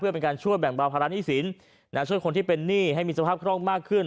เพื่อเป็นการช่วยแบ่งเบาภาระหนี้สินช่วยคนที่เป็นหนี้ให้มีสภาพคล่องมากขึ้น